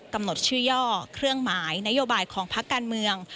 กำหนดชื่อย่อเครื่องหมายนโยบายของพักการเมือง